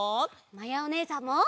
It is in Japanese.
まやおねえさんも！